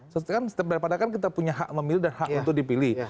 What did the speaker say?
setelah kita punya hak memilih dan hak untuk dipilih